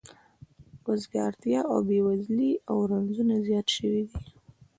وزګارتیا او بې وزلي او رنځونه زیات شوي دي